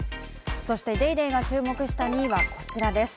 そして『ＤａｙＤａｙ．』が注目した２位はこちらです。